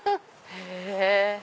へぇ。